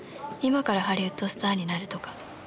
今からハリウッドスターになるとか。